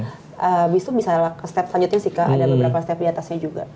jadi ada beberapa step selanjutnya sih kak ada beberapa step diatasnya juga